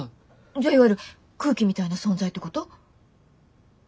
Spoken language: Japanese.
じゃあいわゆる空気みたいな存在ってこと？